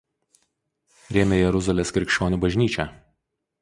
Rėmė Jeruzalės krikščionių bažnyčią.